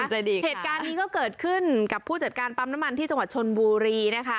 ใจดีเหตุการณ์นี้ก็เกิดขึ้นกับผู้จัดการปั๊มน้ำมันที่จังหวัดชนบุรีนะคะ